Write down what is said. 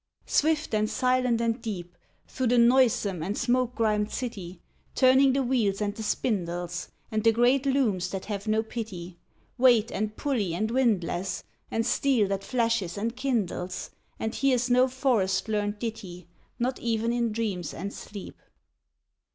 Swift and silent and deep Through the noisome and smoke grimed city, Turning the wheels and the spindles, And the great looms that have no pity, Weight, and pulley, and windlass, And steel that flashes and kindles, And hears no forest learnt ditty, Not even in dreams and sleep.